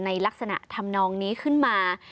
ลักษณะทำนองนี้ขึ้นมา